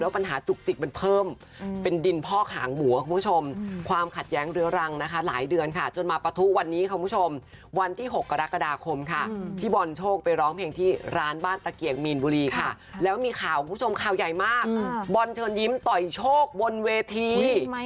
ปัญหาจุกจิกมันเพิ่มเป็นดินพ่อขางหมูคุณผู้ชมความขัดแย้งเรื้อรังนะคะหลายเดือนค่ะจนมาปะทุวันนี้คุณผู้ชมวันที่๖กรกฎาคมค่ะพี่บอลโชคไปร้องเพลงที่ร้านบ้านตะเกียงมีนบุรีค่ะแล้วมีข่าวคุณผู้ชมข่าวใหญ่มากบอลเชิญยิ้มต่อยโชคบนเวที